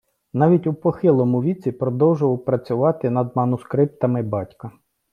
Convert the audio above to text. Навіть у похилому віці продовжував працювати над манускриптами батька.